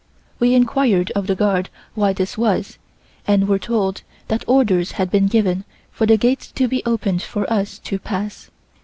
We inquired of the guard why this was, and were told that orders had been given for the gates to be opened for us to pass.